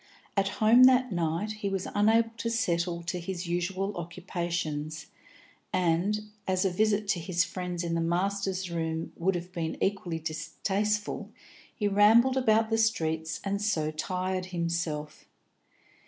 At home that night he was unable to settle to his usual occupations, and, as a visit to his friends in the Masters' Room would have been equally distasteful, he rambled about the streets and so tired himself.